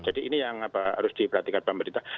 jadi ini yang apa harus diperhatikan pak pemerintah